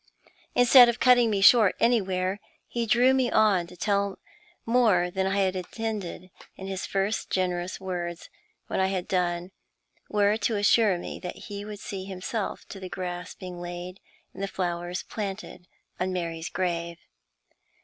Instead of cutting me short anywhere, he drew me on to tell more than I had intended; and his first generous words when I had done were to assure me that he would see himself to the grass being laid and the flowers planted on Mary's grave.